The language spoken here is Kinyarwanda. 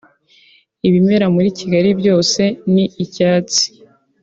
Ibimera muri Kigali byose ni icyatsi